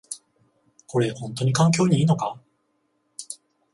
これ、ほんとに環境にいいのか？